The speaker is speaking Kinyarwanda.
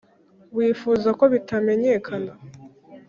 wifuza ko bitamenyekana